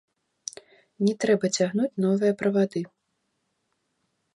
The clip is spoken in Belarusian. Не трэба цягнуць новыя правады.